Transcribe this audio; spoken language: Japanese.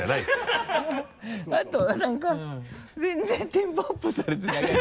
あとなんか全然テンポアップされてない。